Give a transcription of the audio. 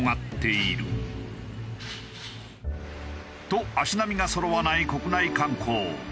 と足並みがそろわない国内観光。